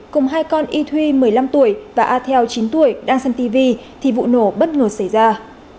cùng hai con y thuy một mươi năm tuổi và a theo chín tuổi đang xem tv thì vụ nổ bất ngờ xảy ra